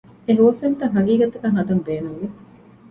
އެ ހުވަފެންތައް ހަގީގަތަކަށް ހަދަން ބޭނުންވި